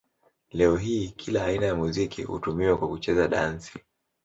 Leo hii kila aina ya muziki hutumiwa kwa kucheza dansi.